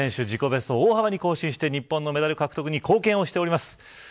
自己ベストを大幅に更新して日本のメダル獲得に貢献しています。